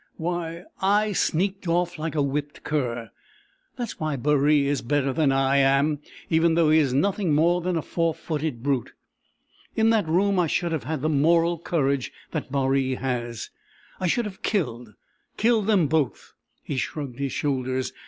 why, I sneaked off like a whipped cur. That's why Baree is better than I am, even though he is nothing more than a four footed brute. In that room I should have had the moral courage that Baree has; I should have killed killed them both!" He shrugged his shoulders.